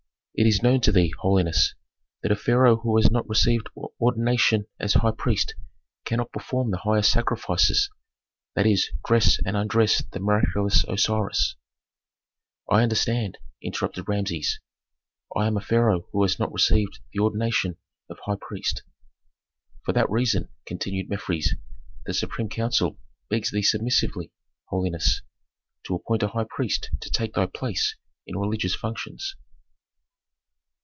"It is known to thee, holiness, that a pharaoh who has not received ordination as high priest cannot perform the highest sacrifices; that is, dress and undress the miraculous Osiris " "I understand," interrupted Rameses, "I am a pharaoh who has not received the ordination of high priest." "For that reason," continued Mefres, "the supreme council begs thee submissively, holiness, to appoint a high priest to take thy place in religious functions."